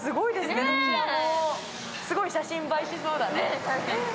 すごい写真映えしそうだね。